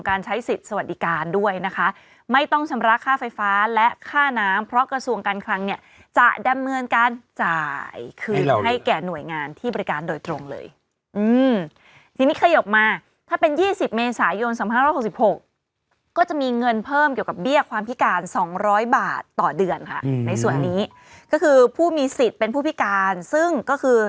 ใช้สิทธิ์สวัสดิการด้วยนะคะไม่ต้องชำระค่าไฟฟ้าและค่าน้ำเพราะกระทรวงการคลังเนี่ยจะดำเนินการจ่ายคืนให้แก่หน่วยงานที่บริการโดยตรงเลยอืมทีนี้ขยบมาถ้าเป็น๒๐เมษายน๒๕๖๖ก็จะมีเงินเพิ่มเกี่ยวกับเบี้ยความพิการ๒๐๐บาทต่อเดือนค่ะในส่วนนี้ก็คือผู้มีสิทธิ์เป็นผู้พิการซึ่งก็คือ